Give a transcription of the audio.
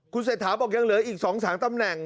คุณเศรษฐาบอกยังเหลืออีก๒๓ตำแหน่ง